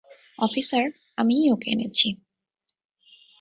Officer, আমিই ওকে এনেছি।